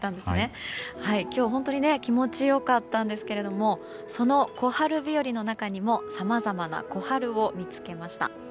今日、本当に気持ち良かったんですけどもその小春日和の中にもさまざまな小春を見つけました。